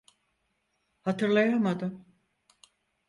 Hatırlayamadım.